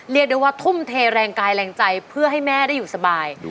เรียกได้ว่าทุ่มเทแรงกายแรงใจเพื่อให้แม่ได้อยู่สบาย